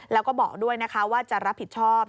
แล้วก็บอกด้วยนะคะว่าจะรับผิดชอบ